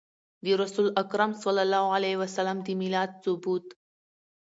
د رسول اکرم صلی الله عليه وسلم د ميلاد ثبوت